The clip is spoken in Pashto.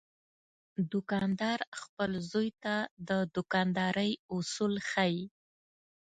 دوکاندار خپل زوی ته د دوکاندارۍ اصول ښيي.